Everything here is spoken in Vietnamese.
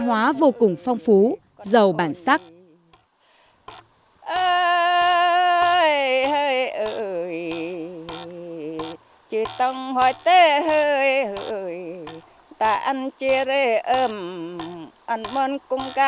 hóa vô cùng phong phú giàu bản sắc ừ ừ ừ ừ ừ ừ ừ ừ ừ ừ ừ ừ ừ ừ ừ ừ ừ ừ ừ ừ ừ ừ ừ